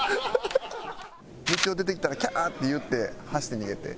みちお出てきたら「キャー」って言って走って逃げて。